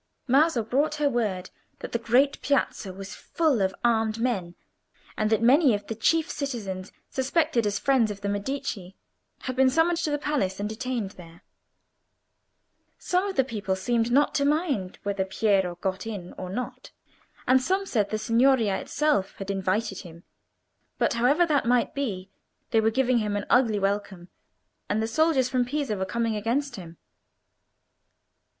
Maso brought her word that the great Piazza was full of armed men, and that many of the chief citizens suspected as friends of the Medici had been summoned to the palace and detained there. Some of the people seemed not to mind whether Piero got in or not, and some said the Signoria itself had invited him; but however that might be, they were giving him an ugly welcome; and the soldiers from Pisa were coming against him.